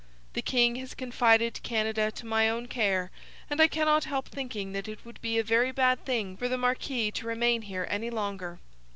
The king has confided Canada to my own care, and I cannot help thinking that it would be a very bad thing for the marquis to remain here any longer!'